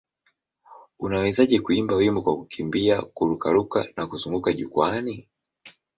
Unawezaje kuimba wimbo kwa kukimbia, kururuka na kuzunguka jukwaani?